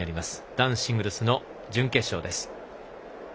男子シングルスの準決勝です。